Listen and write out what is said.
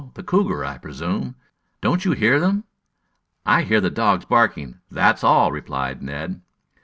The cougar, I presume. Don't you hear them?" "I hear the dogs barking, that's all," replied Ned.